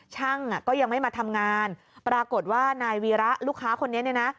ช่างอ่ะก็ยังไม่มาทำงานปรากฏว่านายวีระลูกค้าคนนี้เนี่ยนะ